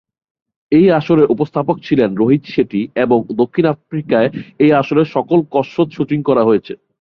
এই আসরের উপস্থাপক ছিলেন রোহিত শেঠী এবং দক্ষিণ আফ্রিকায় এই আসরের সকল কসরত শুটিং করা হয়েছে।